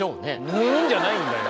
ぬんじゃないんだよ。